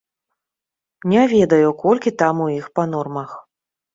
Не ведаю, колькі там у іх па нормах.